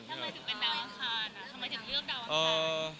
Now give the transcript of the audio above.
ทำไมถึงเป็นดาวอังคารทำไมถึงเลือกดาวอังคาร